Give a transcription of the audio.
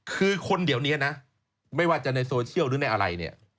คือคนเดี๋ยวนี้นะไม่ว่าจะในโซเชียลหรือในอะไรเนี่ย